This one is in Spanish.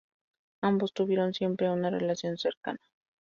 Ambos tuvieron siempre una relación cercana.